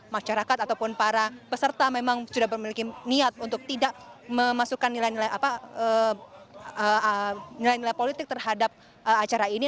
masyarakat ataupun para peserta memang sudah memiliki niat untuk tidak memasukkan nilai nilai politik terhadap acara ini